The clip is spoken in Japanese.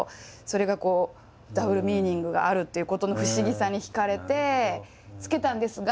それがダブルミーニングがあるっていうことの不思議さにひかれて付けたんですが